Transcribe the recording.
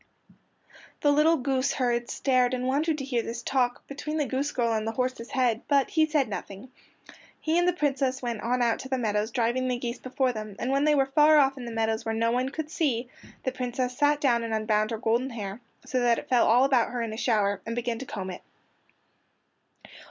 The little goose herd stared and wondered to hear this talk between the goose girl and the horse's head, but he said nothing. He and the Princess went on out to the meadows driving the geese before them, and when they were far off in the meadows where no one could see, the Princess sat down and unbound her golden hair, so that it fell all about her in a shower, and began to comb it.